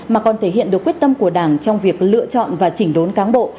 mà còn thể hiện được quyết tâm của đảng trong việc lựa chọn và chỉnh đốn cán bộ